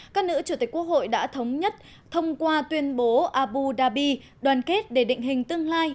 các nữ chủ tịch quốc hội đã thống nhất thông qua tuyên bố abu dhabi đoàn kết để định hình tương lai